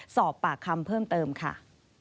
สอบปากคำเพิ่มเติมค่ะ